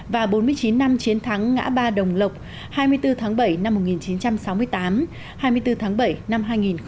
và bốn mươi chín năm chiến thắng ngã ba đồng lộc hai mươi bốn tháng bảy năm một nghìn chín trăm sáu mươi tám hai mươi bốn tháng bảy năm hai nghìn một mươi chín